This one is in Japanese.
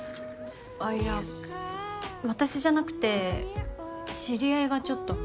あっいや私じゃなくて知り合いがちょっと。